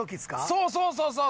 そうそうそうそう！